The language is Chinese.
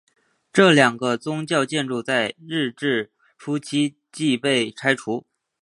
这两个宗教建筑在日治初期即被拆除。